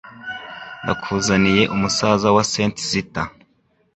Ndakuzaniye umusaza wa Saint Zita